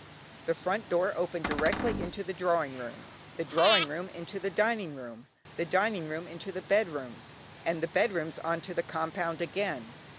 The front door opened directly into the drawing room, the drawing room into the dining room, the dining room into the bedrooms, and the bedrooms on to the compound again.